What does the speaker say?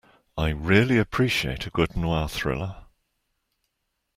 I really appreciate a good noir thriller.